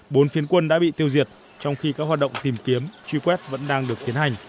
bốn phiến quân đã bị tiêu diệt trong khi các hoạt động tìm kiếm truy quét vẫn đang được tiến hành